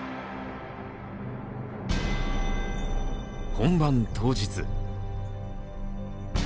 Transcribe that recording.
本番当日。